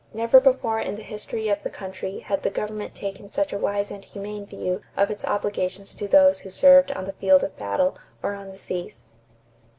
Never before in the history of the country had the government taken such a wise and humane view of its obligations to those who served on the field of battle or on the seas.